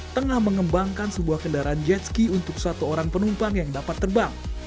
tengah mengembangkan sebuah kendaraan jet ski untuk satu orang penumpang yang dapat terbang